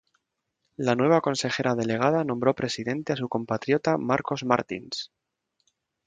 La nueva consejera delegada nombró presidente a su compatriota Marcos Martins.